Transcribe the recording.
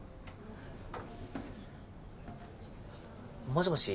もしもし？